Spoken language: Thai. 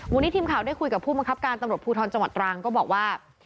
วันนี้ทีมข่าวได้คุยกับผู้บังคับการตำรวจภูทรจังหวัดตรังก็บอกว่า